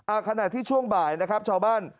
ขณะที่ช่วงบ่ายนะครับชาวบ้าน